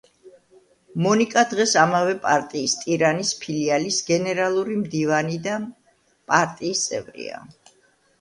მონიკა დღეს ამავე პარტიის ტირანის ფილიალის გენერალური მდივანი და პარტიის წევრია.